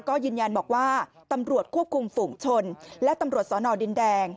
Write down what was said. ก็ยืนยันบอกว่าตำรวจควบคุมฝุงชนและตำรวจสอนอดินแดง